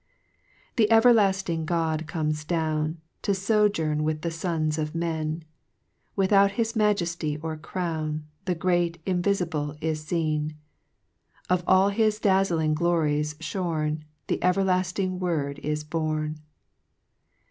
2 The everlafting God comes down, To fojourn with the fons of men ; Without his majefty or crown The great Iuviiible is fcen ; Of all his dazzling glories morn, The everlafting YY ord is bom !